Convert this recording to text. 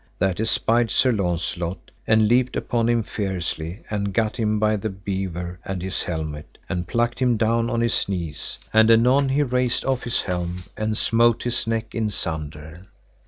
That espied Sir Launcelot, and leapt upon him fiercely and gat him by the beaver of his helmet, and plucked him down on his knees, and anon he raced off his helm, and smote his neck in sunder.